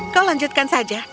kau lanjutkan saja